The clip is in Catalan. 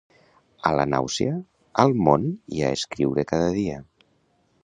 A la nàusea, al món i a escriure cada dia.